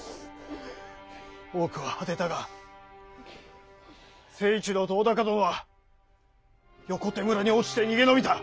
多くは果てたが成一郎と尾高殿は横手村に落ちて逃げ延びた。